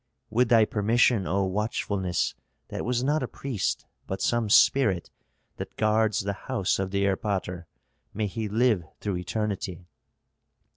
"With thy permission, O watchfulness, that was not a priest, but some spirit that guards the house of the erpatr may he live through eternity!"